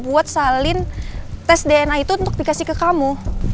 buat salin tes dna itu untuk dikasih ke kamu